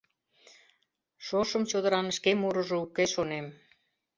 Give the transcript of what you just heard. — Шошым чодыран шке мурыжо уке, шонем.